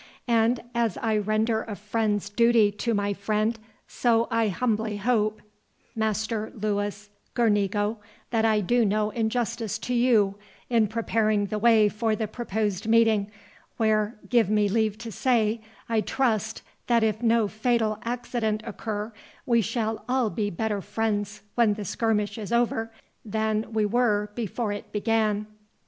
And as I render a friend's duty to my friend, so I humbly hope, Master Louis Girnigo, that I do no injustice to you, in preparing the way for the proposed meeting, where, give me leave to say, I trust, that if no fatal accident occur, we shall be all better friends when the skirmish is over than we were before it began."